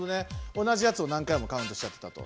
同じやつを何回もカウントしちゃってたと。